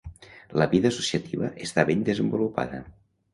La vida associativa està ben desenvolupada.